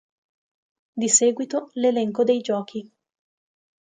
Di seguito l'elenco dei giochi.